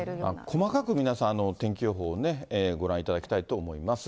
細かく皆さん、天気予報ね、ご覧いただきたいと思います。